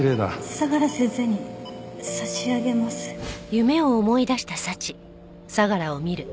相良先生に差し上げます。